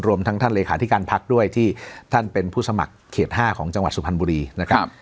รวมทั้งท่านเลขาธิการพักด้วยที่ท่านเป็นผู้สมัครเขต๕ของจังหวัดสุพรรณบุรีนะครับ